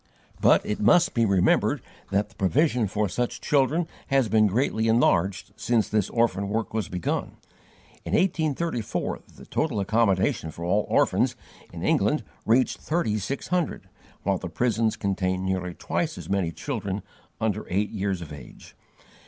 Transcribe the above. But it must be remembered that the provision for such children has been greatly enlarged since this orphan work was begun. In 1834 the total accommodation for all orphans, in England, reached thirty six hundred, while the prisons contained nearly twice as many children under eight years of age.